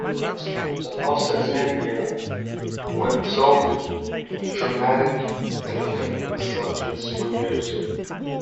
But, to offset this handicap, what exalted, dramatic, and affecting subjects were theirs!